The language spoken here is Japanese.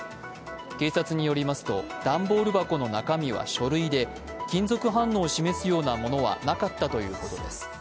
警察によりますと、段ボール箱の中身は書類で金属反応を示すようなものはなかったということです。